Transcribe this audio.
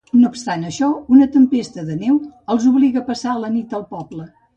No obstant això, una tempesta de neu els obliga a passar la nit al poble.